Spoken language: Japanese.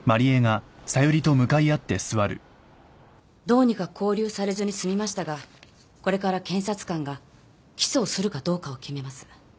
どうにか勾留されずに済みましたがこれから検察官が起訴をするかどうかを決めます。